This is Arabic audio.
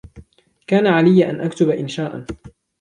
كان علي أن أكتب إنشاءا.